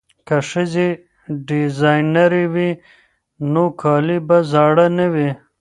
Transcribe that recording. که ښځې ډیزاینرې وي نو کالي به زاړه نه وي.